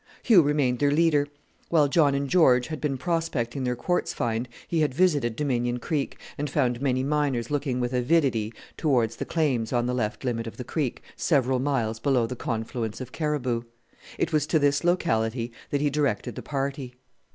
Hugh remained their leader. While John and George had been prospecting their quartz find, he had visited Dominion Creek, and found many miners looking with avidity towards the claims on the left limit of the creek, several miles below the confluence of Caribou. It was to this locality that he directed the party.